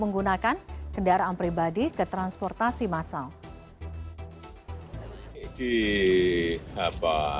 menggunakan kendaraan pribadi ke transportasi masal